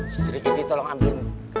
sejirik itu tolong ambilin